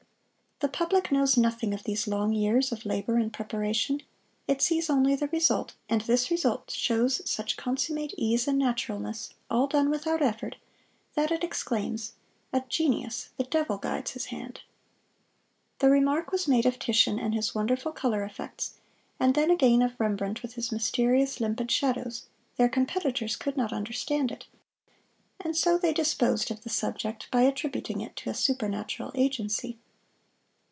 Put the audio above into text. The public knows nothing of these long years of labor and preparation it sees only the result, and this result shows such consummate ease and naturalness all done without effort that it exclaims, "A genius the devil guides his hand!" The remark was made of Titian and his wonderful color effects, and then again of Rembrandt with his mysterious limpid shadows their competitors could not understand it! And so they disposed of the subject by attributing it to a supernatural agency.